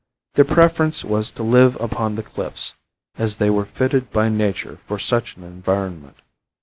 Their preference was to live upon the cliffs, as they were fitted by nature for such an environment.